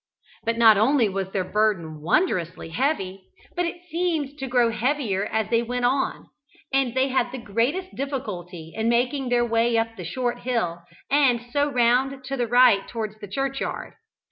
But not only was their burden wondrously heavy, but it seemed to grow heavier as they went on, and they had the greatest difficulty in making their way up the short hill, and so round to the right towards the churchyard.